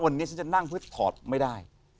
วันนี้ฉันจะนั่งเพื่อถอดไม่ได้